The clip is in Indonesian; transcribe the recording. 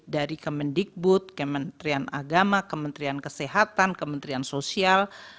dari kemendikbud kementerian agama kementerian kesehatan kementerian sosial